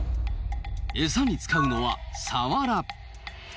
エサに使うのはサワラ。